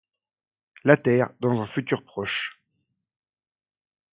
La Terre, dans un futur proche.